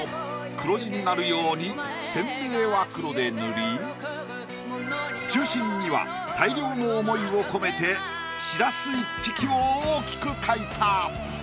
黒字になるように船名は黒で塗り中心には大漁の思いを込めてしらす１匹を大きく描いた。